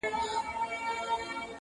• !شینکی آسمانه,